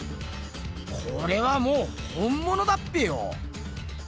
これはもう本ものだっぺよ！